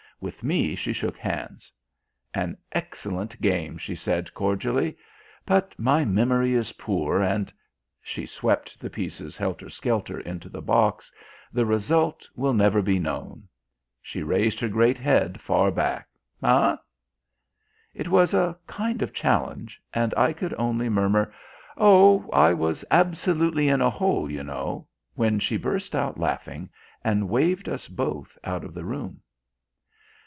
With me she shook hands. "An excellent game," she said cordially, "but my memory is poor, and" she swept the pieces helter skelter into the box "the result will never be known." She raised her great head far back. "Eh?" It was a kind of challenge, and I could only murmur: "Oh, I was absolutely in a hole, you know!" when she burst out laughing and waved us both out of the room.